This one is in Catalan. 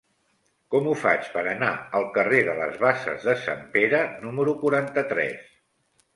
Com ho faig per anar al carrer de les Basses de Sant Pere número quaranta-tres?